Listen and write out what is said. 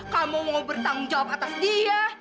kamu mau bertanggung jawab atas dia